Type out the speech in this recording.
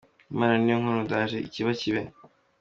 Imana niyonkuru, ndaje ikiba kibe !”